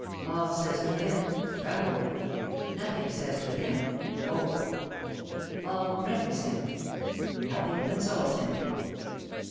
All says to him, Tremble! Nothing says to him, Hope! All threatens him; nothing consoles him!